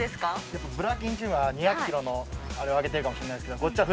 やっぱぶら筋チームは２００ｋｇのあれを上げてるかもしれないですけど。